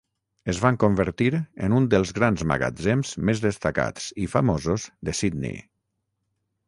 Es van convertir en uns dels grans magatzems més destacats i famosos de Sydney.